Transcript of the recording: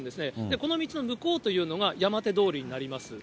この道の向こうというのが山手通りになります。